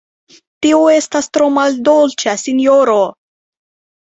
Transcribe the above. Tio estas tre maldolĉa, sinjoro!